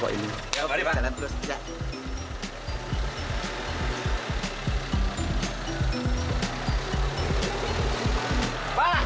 pak remedi mana pak